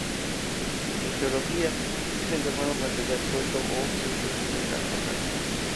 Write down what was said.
En geología, es el llamado material suelto o sedimento de rocas.